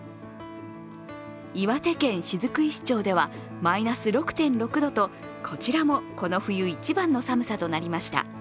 岩手県雫石町では、マイナス６．６度とこちらもこの冬一番の寒さとなりました。